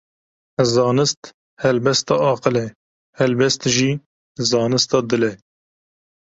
Zanist helbesta aqil e, helbest jî zanista dil e.